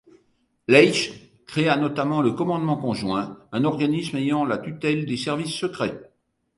Leigh créa notamment le commandement conjoint, un organisme ayant la tutelle des services secrets.